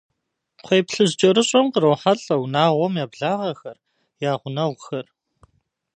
КхъуейплъыжькӀэрыщӀэм кърохьэлӀэ унагъуэм я благъэхэр, я гъунэгъухэр.